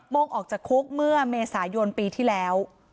งงออกจากคุกเมื่อเมษายนปีที่แล้ว